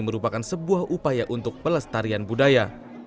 merupakan sebuah upaya untuk pelestarian budaya